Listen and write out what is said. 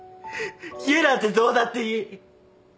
家なんてどうだっていい。